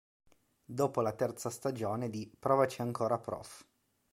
Dopo la terza stagione di "Provaci ancora prof!